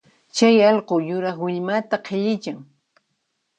Chay allqu yuraq willmata qhillichan